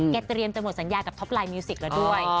เตรียมจะหมดสัญญากับท็อปไลนมิวสิกแล้วด้วย